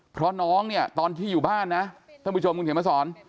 เพราะน้องเนี่ยตอนที่อยู่บ้านนะท่านผู้ชมคุณเขียนมาสอน